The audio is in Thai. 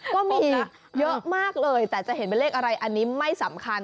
ก็มีเยอะมากเลยแต่จะเห็นเป็นเลขอะไรอันนี้ไม่สำคัญ